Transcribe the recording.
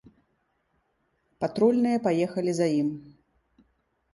Патрульныя паехалі за ім.